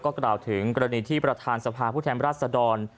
ก็กระดาษถึงกรณีที่ประทานสภาพ์ผู้แท่มรัฐสะดร